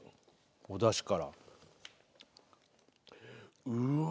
お出汁からうわ